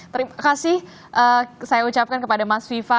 terimakasih saya ucapkan kepada mas viva